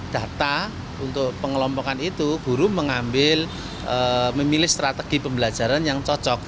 data untuk pengelompokan itu guru mengambil memilih strategi pembelajaran yang cocok